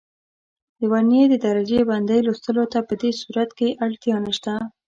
د ورنیې د درجه بندۍ لوستلو ته په دې صورت کې اړتیا نه شته.